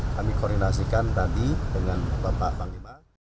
kami koordinasikan tadi dengan bapak panglima